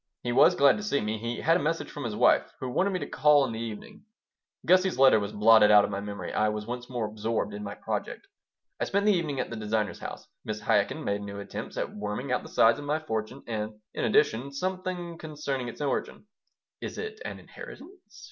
He was glad to see me. He had a message from his wife, who wanted me to call in the evening. Gussie's letter was blotted out of my memory. I was once more absorbed in my project I spent the evening at the designer's house. Mrs. Chaikin made new attempts at worming out the size of my fortune and, in addition, something concerning its origin "Is it an inheritance?"